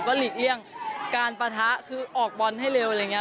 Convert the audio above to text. หลีกเลี่ยงการปะทะคือออกบอลให้เร็วอะไรอย่างนี้